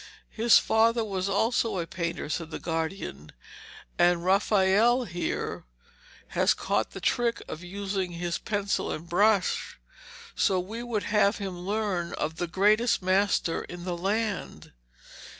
'His father was also a painter,' said the guardian, 'and Raphael, here, has caught the trick of using his pencil and brush, so we would have him learn of the greatest master in the land.'